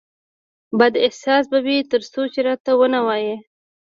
بد احساس به وي ترڅو چې راته ونه وایې